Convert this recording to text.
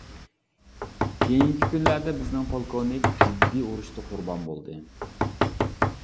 كېيىنكى كۈنلەردە بىزنىڭ پولكوۋنىك جىددىي ئۇرۇشتا قۇربان بولدى.